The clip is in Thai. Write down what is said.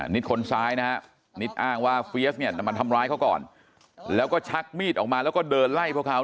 คนซ้ายนะฮะนิดอ้างว่าเฟียสเนี่ยมาทำร้ายเขาก่อนแล้วก็ชักมีดออกมาแล้วก็เดินไล่พวกเขา